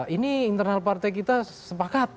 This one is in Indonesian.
ini internal partai kita sepakat